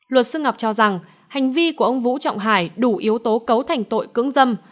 luật sư ngọc cho rằng hành vi của ông vũ trọng hải đủ yếu tố cấu thành tội cưỡng dâm